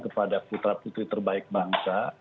kepada putra putri terbaik bangsa